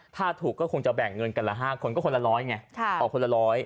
ถ้าถูกก็คงจะแบ่งเงินกันละ๕คนก็คนละร้อยไงออกคนละร้อย